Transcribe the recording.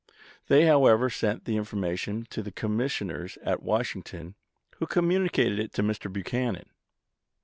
They, however, sent the information to the commissioners at Washing ton, who communicated it to Mr. Buchanan.